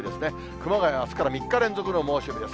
熊谷は、あすから３日連続の猛暑日です。